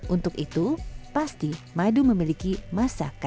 untuk itu pasti madu murni tidak dikandung pengawet